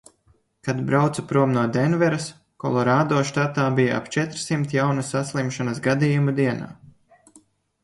Kad braucu prom no Denveras, Kolorādo štatā bija ap četrsimt jaunu saslimšanas gadījumu dienā.